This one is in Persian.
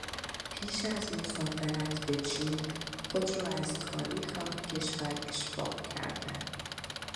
پیش از مسافرت به چین خود را از تاریخ آن کشور اشباع کردن